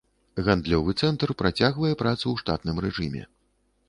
Гандлёвы цэнтр працягвае працу ў штатным рэжыме.